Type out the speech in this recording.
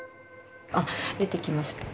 あっ、出てきました。